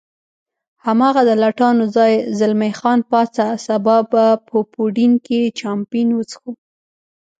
هماغه د لټانو ځای، زلمی خان پاڅه، سبا به په یوډین کې چامپېن وڅښو.